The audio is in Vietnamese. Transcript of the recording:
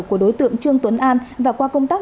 của đối tượng trương tuấn an và qua công tác